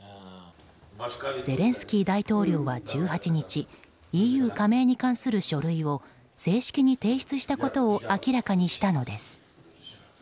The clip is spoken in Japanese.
ゼレンスキー大統領は１８日ＥＵ加盟に関する書類を正式に提出したことを明らかにしたのです。